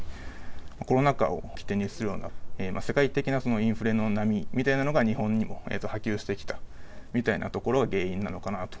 コロナ禍を起点にするような世界的なインフレの波みたいなのが日本にも波及してきたみたいなところが原因なのかなと。